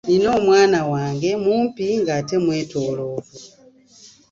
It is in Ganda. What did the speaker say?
Nina omwana wange mumpi ng’ate mwetooloovu.